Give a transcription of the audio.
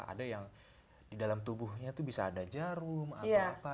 ada yang di dalam tubuhnya itu bisa ada jarum atau apa